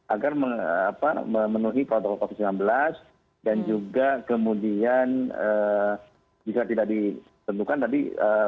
agar memenuhi protokol covid sembilan belas dan juga kemudian bisa tidak ditentukan tadi